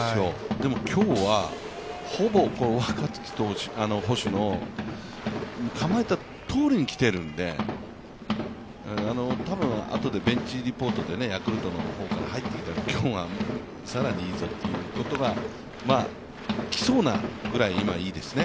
でも今日は、ほぼ若月捕手の構えたとおりに来ているんで、多分あとでベンチリポートでヤクルトから入ってきたら、今日は更にいいぞということが来そうなぐらい、今いいですね。